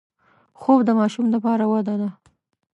خوب د ماشوم لپاره وده ده